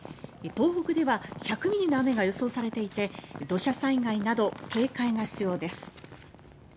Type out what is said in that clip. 東北では１００ミリの雨が予想されていて土砂災害など警戒が必要です。